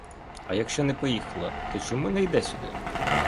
А якщо не поїхала, то чому не йде сюди?